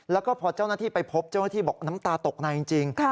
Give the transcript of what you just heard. แล้วก็พอเจ้าหน้าที่ไปพบเจ้าหน้าที่บอกน้ำตาตกในจริง